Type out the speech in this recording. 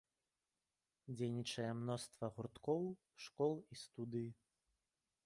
Дзейнічае мноства гурткоў, школ і студый.